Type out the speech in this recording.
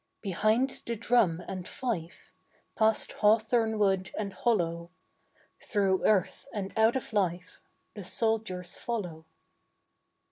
Behind the drum and fife, Past hawthornwood and hollow, Through earth and out of life The soldiers follow.